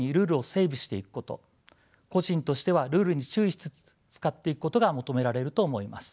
個人としてはルールに注意しつつ使っていくことが求められると思います。